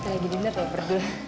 kita lagi dinerg lagi pergi lah